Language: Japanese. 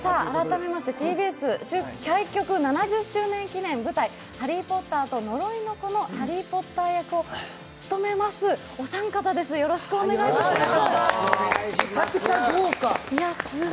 改めましてＴＢＳ開局７０周年記念舞台「ハリー・ポッターと呪いの子」のハリー・ポッター役を務めますお三方です、よろしくお願いいたします。